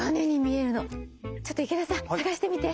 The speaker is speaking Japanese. ちょっと池田さん探してみて。